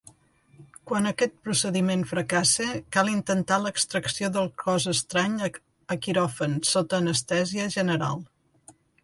Quan aquest procediment fracassa, cal intentar l'extracció del cos estrany a quiròfan sota anestèsia general.